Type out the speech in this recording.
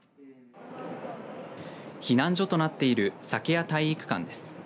避難所となっている酒屋体育館です。